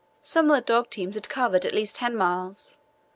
Some of the dog teams had covered at least ten miles.